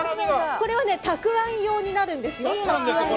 これはたくあん用になるんです。